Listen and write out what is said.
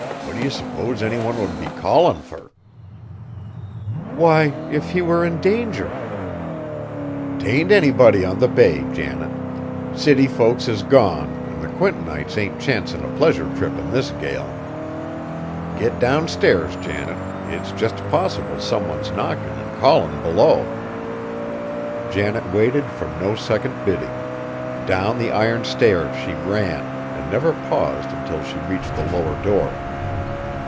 What do ye suppose any one would be callin' fur?" "Why, if he were in danger." "'T ain't anybody on the bay, Janet. City folks is gone, an' the Quintonites ain't chancin' a pleasure trip in this gale. Get downstairs, Janet; it's just possible some one's knockin' an' callin' below." Janet waited for no second bidding. Down the iron stairs she ran, and never paused until she reached the lower door.